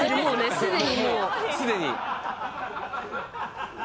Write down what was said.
すでに。